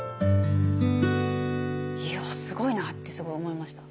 いやすごいなってすごい思いました。